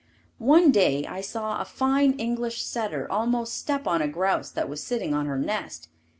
One day I saw a fine English setter almost step on a grouse that was sitting on her nest.